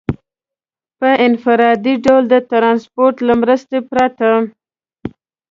په انفرادي ډول د ټرانسپورټ له مرستې پرته.